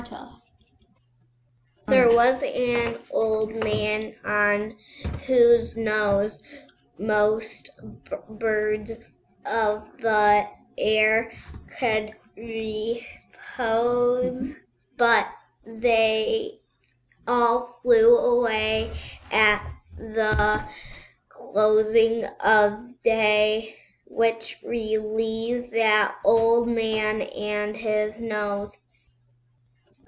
There was an Old Man on whose nose Most birds of the air could repose; But they all flew away at the closing of day, Which relieved that Old Man and his nose.